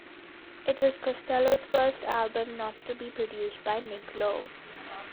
It was Costello's first album not to be produced by Nick Lowe.